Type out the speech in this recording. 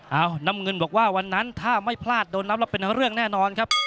เอาน้ำเงินบอกว่าวันนั้นถ้าไม่พลาดโดนนับแล้วเป็นเรื่องแน่นอนครับ